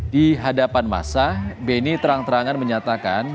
di hadapan masa beni terang terangkan